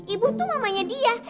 ibu tuh mamanya dia